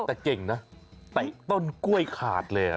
แต่เก่งนะเตะต้นกล้วยขาดเลย